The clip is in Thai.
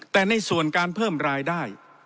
แต่ในส่วนการเพิ่มรายได้